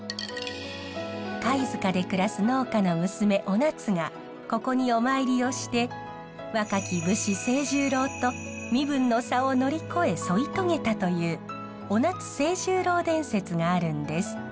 貝塚で暮らす農家の娘お夏がここにお参りをして若き武士清十郎と身分の差を乗り越え添い遂げたという「お夏清十郎伝説」があるんです。